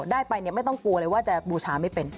ได้ไปไม่ต้องกลัวเลยว่าจะบูชาไม่เป็น